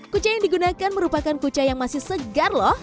kue tie yang digunakan merupakan kue tie yang masih segar loh